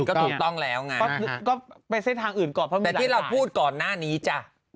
ก็ถูกต้องแล้วไงแต่ที่เราพูดก่อนหน้านี้จ้ะถูกต้องแล้วไง